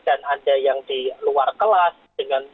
dan ada yang di luar kelas dengan